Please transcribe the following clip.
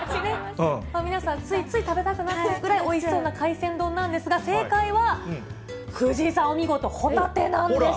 皆さん、ついつい食べたくなるくらいおいしそうな海鮮丼なんですが、正解は、藤井さん、お見事、ホタテなんです。